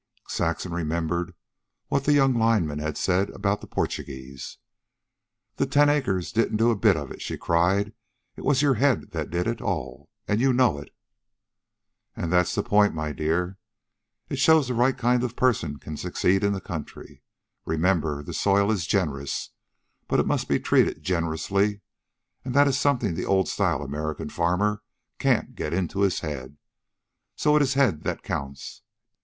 Saxon remembered what the young lineman had said about the Portuguese. "The ten acres didn't do a bit of it," she cried. "It was your head that did it all, and you know it." "And that's the point, my dear. It shows the right kind of person can succeed in the country. Remember, the soil is generous. But it must be treated generously, and that is something the old style American farmer can't get into his head. So it IS head that counts.